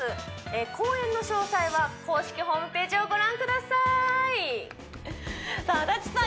公演の詳細は公式ホームページをご覧くださいさあ足立さん